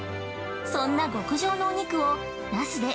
そんな極上のお肉を「那須で」